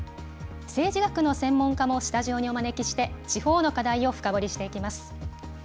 政治学の専門家もスタジオにお招きして、地方の課題を深掘りしていきます。